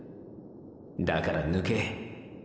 だから抜け。